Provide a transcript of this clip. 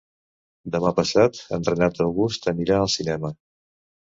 Demà passat en Renat August anirà al cinema.